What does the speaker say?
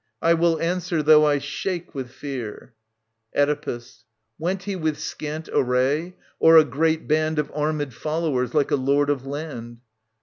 I will answer though I shake with fear. Oedipus. Went he with scant array, or a great band Of arm^d followers, like a lord of land